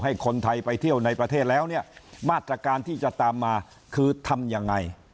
ให้คนไทยไปเที่ยวในประเทศแล้วเนี่ยมาตรการที่จะตามมาคือทำยังไง